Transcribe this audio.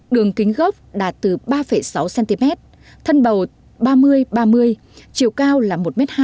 đường kính gốc đạt từ ba sáu cm thân bầu ba mươi ba mươi chiều cao là một hai một tám m